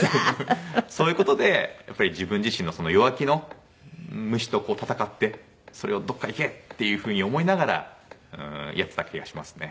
そういう事でやっぱり自分自身の弱気の虫と闘ってそれをどっか行け！っていう風に思いながらやってた気がしますね。